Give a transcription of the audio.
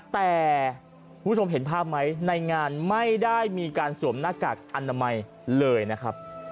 แต่คุณผู้ชมเห็นภาพไหมในงานไม่ได้มีการสวมหน้ากากอนามัยเลยนะครับ